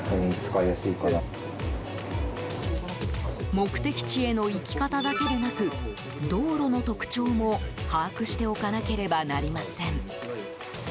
目的地への行き方だけでなく道路の特徴も把握しておかなければなりません。